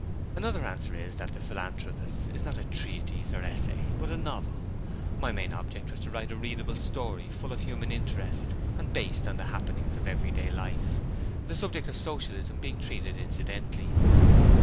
Another answer is that 'The Philanthropists' is not a treatise or essay, but a novel. My main object was to write a readable story full of human interest and based on the happenings of everyday life, the subject of Socialism being treated incidentally.